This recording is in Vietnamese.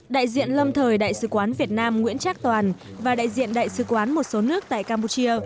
đại diện lâm thời đại sứ quán việt nam nguyễn trác toàn và đại diện đại sứ quán một số nước tại campuchia